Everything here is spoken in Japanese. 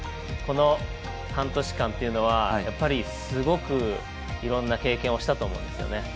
この半年間というのはすごくいろんな経験をしたと思うんですよね。